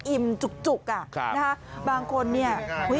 อิ่มจุกอ่ะนะคะบางคนเนี่ย